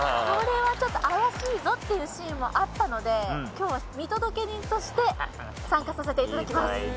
これはちょっと怪しいぞっていうシーンもあったので今日は見届け人として参加させていただきます